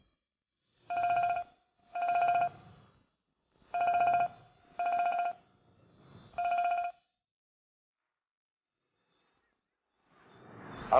bang ya kamuu juga penasaran